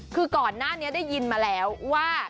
คือก่อนหน้านี้ได้ยินมาแล้วว่า